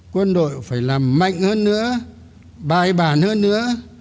quân đội phải làm mạnh hơn nữa bài bản hơn nữa